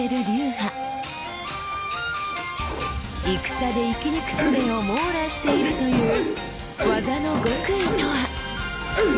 戦で生き抜くすべを網羅しているという技の極意とは？